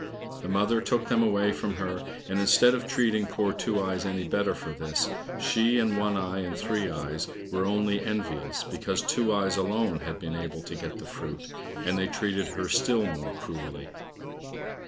The mother took them away from her, and instead of treating poor Two eyes any better for this, she and One eye and Three eyes were only envious, because Two eyes alone had been able to get the fruit, and they treated her still more cruelly.